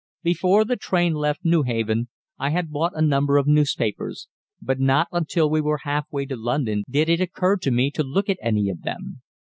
Before the train left Newhaven I had bought a number of newspapers, but not until we were half way to London did it occur to me to look at any of them.